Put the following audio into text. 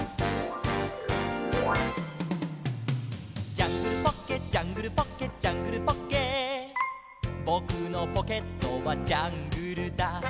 「ジャングルポッケジャングルポッケ」「ジャングルポッケ」「ぼくのポケットはジャングルだ」